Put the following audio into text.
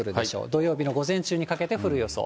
土曜日の午前中にかけて降る予想。